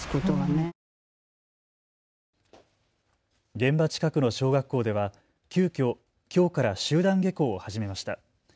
現場近くの小学校では急きょきょうから集団下校を始めました。